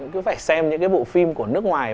cứ phải xem những cái bộ phim của nước ngoài